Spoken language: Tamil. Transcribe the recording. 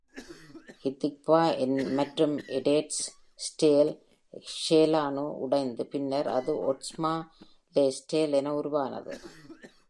ஹதிக்வா மற்றும் ஏறேட்ஸ் இஸ்ரேல் ஷேலானு உடைந்து பின்னர் அது ஓட்ஸ்மா லெஇஸ்ரேல் என உருவானது.